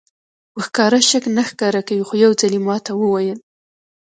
په ښکاره شک نه ښکاره کوي خو یو ځل یې ماته وویل.